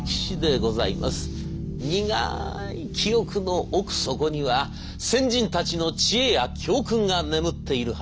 苦い記憶の奥底には先人たちの知恵や教訓が眠っているはず。